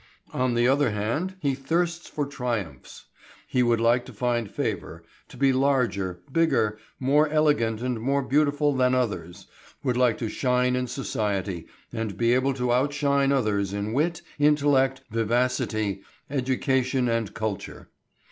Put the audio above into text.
On the other hand he thirsts for triumphs. He would like to find favour, to be larger, bigger, more elegant and more beautiful than others, would like to shine in society, and be able to outshine others in wit, intellect, vivacity, education and culture.